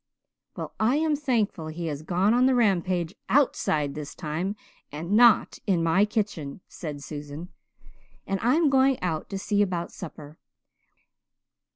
"Well, I am thankful he has gone on the rampage outside this time and not into my kitchen," said Susan. "And I am going out to see about supper.